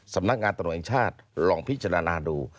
สำนักงานตำรวจแห่งชาติลองพิจารณาดู